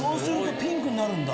ピンクになるんだ。